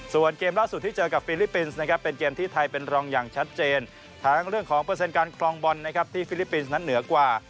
ส่วนเกมล่าสุดที่เจอกับฟิลิปปินส์นะครับเป็นเกมที่ไทยเป็นรองอย่างชัดเจนทั้งเรื่องของเปอร์เซ็นต์การคลองบอลนะครับที่ฟิลิปปินส์นั้นเหนือกว่า